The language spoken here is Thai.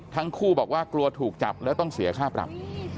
ทั้งคู่บอกว่ากลัวถูกจับแล้วต้องเสียค่าปรับ